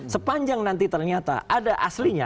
sepanjang nanti ternyata ada aslinya